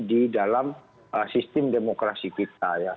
di dalam sistem demokrasi kita ya